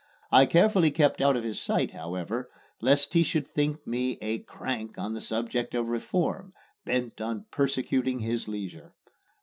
I carefully kept out of his sight, however, lest he should think me a "crank" on the subject of reform, bent on persecuting his leisure.